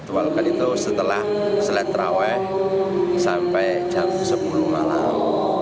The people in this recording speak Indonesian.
dijadwalkan itu setelah selat rawaih sampai jam sepuluh malam